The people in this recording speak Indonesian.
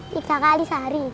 tiga kali sehari